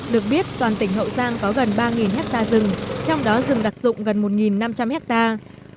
được biết toàn tỉnh hậu giang có gần ba hectare rừng trong đó rừng đặc dụng gần một năm trăm linh hectare